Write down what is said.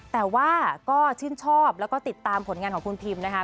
แต่ว่าก็ชื่นชอบแล้วก็ติดตามผลงานของคุณพิมนะคะ